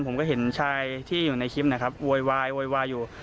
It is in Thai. ผมก็เห็นชายที่อยู่ในคลิปนะครับโวยวายโวยวายอยู่